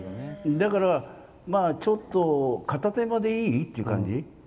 だから、ちょっと片手間でいい？って感じ。